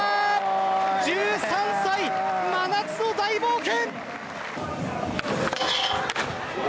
１３歳真夏の大冒険！